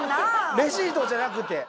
レシートじゃなくて。